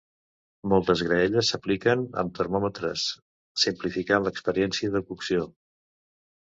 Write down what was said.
Moltes graelles s'equipen amb termòmetres, simplificant l'experiència de cocció.